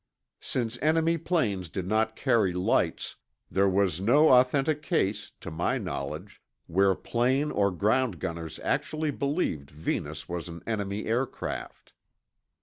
Since enemy planes did not carry lights, there was no authentic case, to my knowledge, where plane or ground gunners actually believed Venus was an enemy aircraft.